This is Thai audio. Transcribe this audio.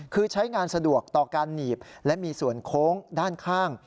คือใช้งานสะดวกต่อการหนีบและมีส่วนโค้งด้านข้าง